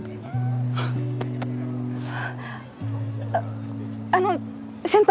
あっあの先輩！